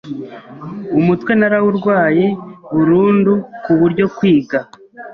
Umutwe narawurwaye burundu ku buryo kwiga